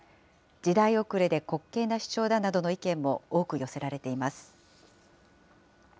時代遅れで、滑稽な主張だなどの意見も多く寄せられています。